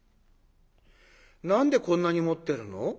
何でこんなに持ってるの？